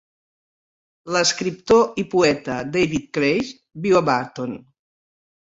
L'escriptor i poeta David Craig viu a Burton.